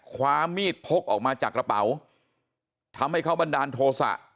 ความมีมิดพกออกมาจากระเป๋าทำให้เขาบรรดาโนธโศะ